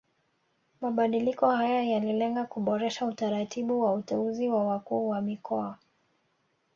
Mabadiliko haya yalilenga kuboresha utaratibu wa uteuzi wa wakuu wa mikoa